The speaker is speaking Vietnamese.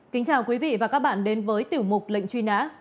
kính chào quý vị và các bạn đến với tiểu mục lệnh truy nã